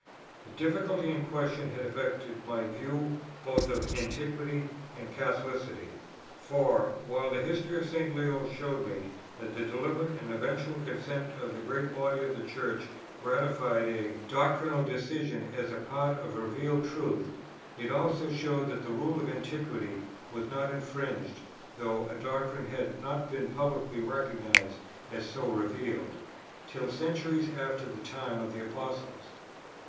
The difficulty in question had affected my view both of Antiquity and Catholicity; for, while the history of St. Leo showed me that the deliberate and eventual consent of the great body of the Church ratified a doctrinal decision as a part of revealed truth, it also showed that the rule of Antiquity was not infringed, though a doctrine had not been publicly recognized as so revealed, till centuries after the time of the Apostles.